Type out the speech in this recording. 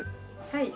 はい。